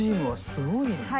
すごいよね。